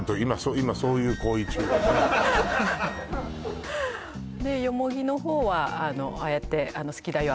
今そういう行為中よねでヨモギの方はああやって好きだよ